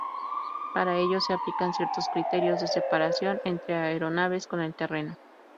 Para ello, se aplican ciertos criterios de separación entre aeronaves con el terreno.